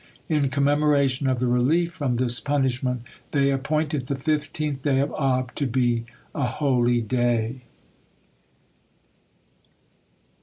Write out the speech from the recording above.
In commemoration of the relief from this punishment, they appointed the fifteenth day of Ab to be a holy day.